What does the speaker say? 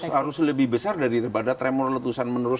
harus lebih besar daripada tremor letusan menerus